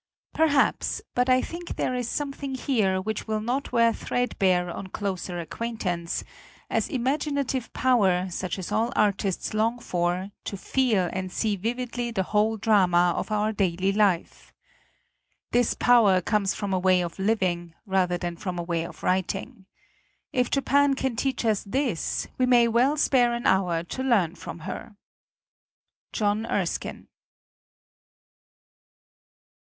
Perhaps; but I think there is something here which will not wear threadbare on closer acquaintance as imaginative power, such as all artists long for, to feel and see vividly the whole drama of our daily life. This power comes from a way of living, rather than from a way of writing. If Japan can teach us this, we may well spare an hour to learn from her. JOHN EKSKINE.